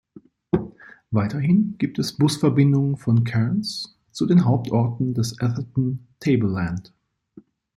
Weiterhin gibt es Busverbindungen von Cairns zu den Hauptorten des Atherton Tableland.